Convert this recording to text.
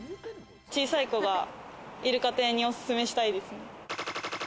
小さい子がいる家庭に、おすすめしたいですね。